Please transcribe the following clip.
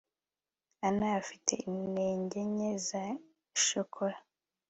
ann afite intege nke za shokora